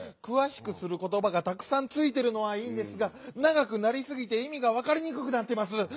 「くわしくすることば」がたくさんついてるのはいいんですがながくなりすぎていみがわかりにくくなってます。